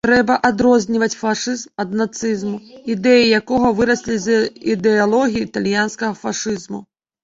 Трэба адрозніваць фашызм ад нацызму, ідэі якога выраслі з ідэалогіі італьянскага фашызму.